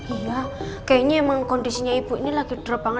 iya kayaknya emang kondisinya ibu ini lagi drop banget